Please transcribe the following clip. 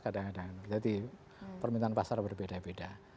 jadi permintaan pasar berbeda beda